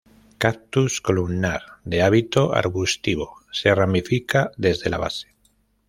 Cactus columnar de hábito arbustivo, se ramifica desde la base.